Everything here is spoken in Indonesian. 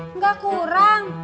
hah gak kurang